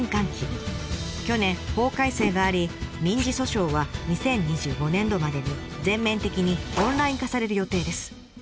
去年法改正があり民事訴訟は２０２５年度までに全面的にオンライン化される予定です。